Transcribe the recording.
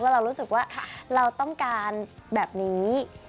เรารู้สึกว่าเราต้องการแบบนี้